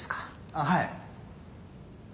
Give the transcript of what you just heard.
あっはい。